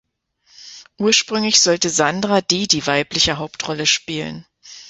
Ursprünglich sollte Sandra Dee die weibliche Hauptrolle spielen.